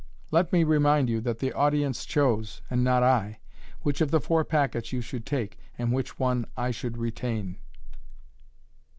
Let me remind you that the audience chose, and not I, which of the four packets you should take, and which one I should retain.''